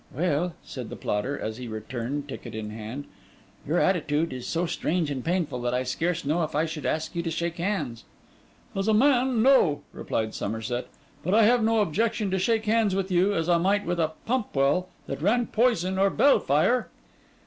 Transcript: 'Well,' said the plotter, as he returned, ticket in hand, 'your attitude is so strange and painful, that I scarce know if I should ask you to shake hands.' 'As a man, no,' replied Somerset; 'but I have no objection to shake hands with you, as I might with a pump well that ran poison or bell fire.